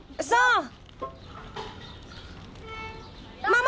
さあ。